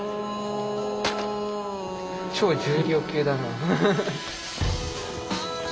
超重量級だな。